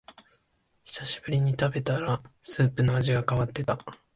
久しぶりに食べたらスープの味が変わってた